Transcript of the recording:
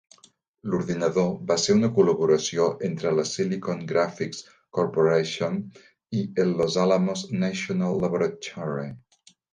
L'ordinador va ser una col·laboració entre la Silicon Graphics Corporation i el Los Alamos National Laboratory.